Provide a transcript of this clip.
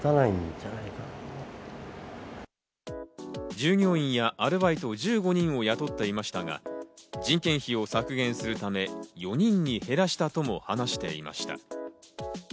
従業員やアルバイト１５人を雇っていましたが、人件費を削減するため４人に減らしたとも話していました。